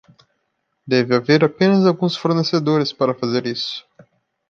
Deve haver apenas alguns fornecedores para fazer isso.